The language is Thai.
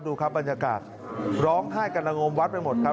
ดูครับบรรยากาศร้องไห้กันละงมวัดไปหมดครับ